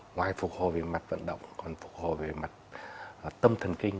ngoài phục hồi về mặt vận động còn phục hồi về mặt tâm thần kinh